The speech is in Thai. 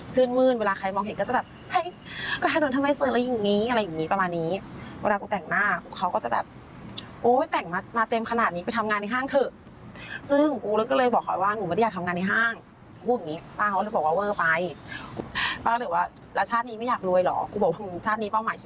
ชื่นมื้นเวลาใครมองเห็นก็จะแบบเฮ้ยก็ให้หนูทำให้ชื่นแล้วอย่างนี้อะไรอย่างนี้ประมาณนี้